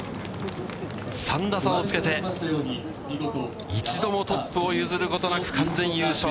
３打差をつけて、一度もトップを譲ることなく完全優勝。